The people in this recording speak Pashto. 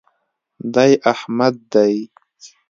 دی احمد دئ.